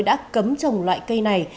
đã cấm trồng loại cây này